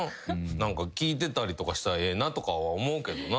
何か聞いてたりとかしたらええなとか思うけどな。